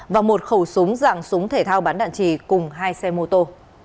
và một khẩu súng dạng súng thể thao bắn đạn trì cùng hai xe mô tô